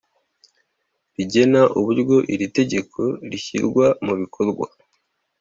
rigena uburyo iri tegeko rishyirwa mu bikorwa.